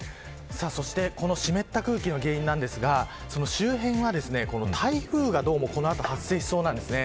そして、湿った空気の原因ですが周辺は、台風がどうもこの後発生しそうなんです。